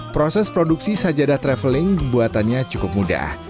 proses produksi sajadah traveling membuatannya cukup mudah